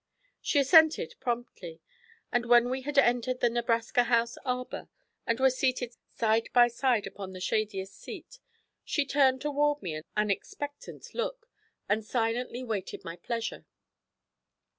She assented promptly, and when we had entered the Nebraska House arbour, and were seated side by side upon the shadiest seat, she turned toward me an expectant look, and silently waited my pleasure.